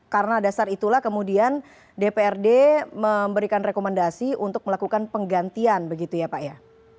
karena dasar itulah kemudian dprd memberikan rekomendasi untuk melakukan penggantian begitu ya pak ya